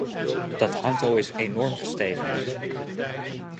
Dat aantal is enorm gestegen.